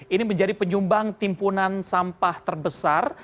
ini menjadi penyumbang timbunan sampah terbesar